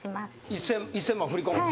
１０００万振り込むの？